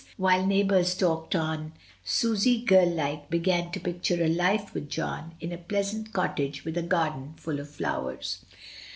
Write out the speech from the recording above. While neighbours talked on, Susy, girl like, began to picture a life with John, in a pleasant cottage with a garden full of flowers.